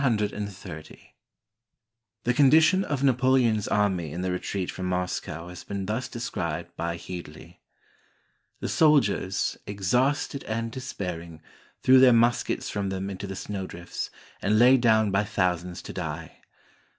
VAN PAPENDRECHT The condition of Napoleon's army in the retreat from Mos cow has been thus described by Headley: — ''The soldiers, exhausted and despairing, threw their muskets from them into the snowdrifts, and lay down by thousands to die.